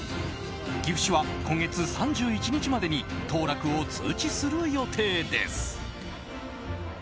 岐阜市は、今月３１日までに当落を通知する予定です。